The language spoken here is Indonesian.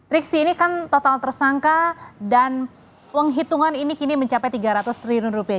riksi ini kan total tersangka dan penghitungan ini kini mencapai tiga ratus triliun rupiah